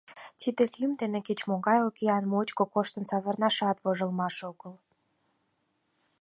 Тиде лӱм дене кеч-могай океан мучко коштын савырнашат вожылмаш огыл!